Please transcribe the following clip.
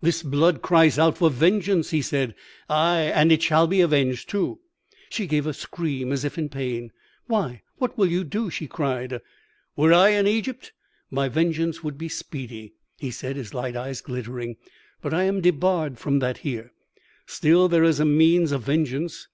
"'This blood cries out for vengeance,' he said; 'ay, and it shall be avenged too.' "She gave a scream as if in pain. 'Why, what will you do?' she cried. "'Were I in Egypt, my vengeance would be speedy,' he said, his light eyes glittering; 'but I am debarred from that here. Still, there is a means of vengeance.